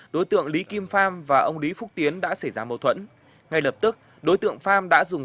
đối tượng lý kim phong và ông lý phúc tiến đã xảy ra mâu thuẫn ngay lập tức đối tượng phong đã dùng